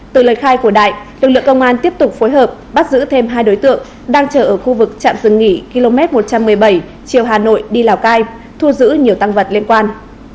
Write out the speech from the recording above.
từ lời khai của đại lực lượng công an tiếp tục phối hợp bắt giữ thêm hai đối tượng đang chờ ở khu vực trạm dừng nghỉ km một trăm một mươi bảy chiều hà nội đi lào cai thu giữ nhiều tăng vật liên quan